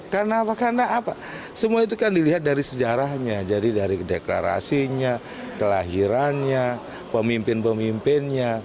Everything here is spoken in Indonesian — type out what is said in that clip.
karena apa karena apa semua itu kan dilihat dari sejarahnya jadi dari deklarasinya kelahirannya pemimpin pemimpinnya